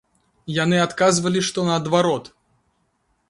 Яны адказвалі, што наадварот.